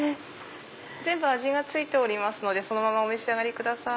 全部味が付いておりますのでそのままお召し上がりください。